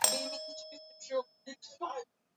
Nampenda kwa vyovyote, simshuku.